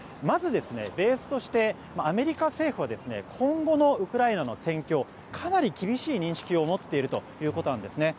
まずベースとしてアメリカ政府は今後のウクライナの戦況をかなり厳しい認識を持っているということです。